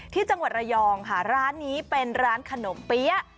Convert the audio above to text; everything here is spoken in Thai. ที่จังหวัดระยองค่ะร้านนี้เป็นร้านขนมเปี๊ยะ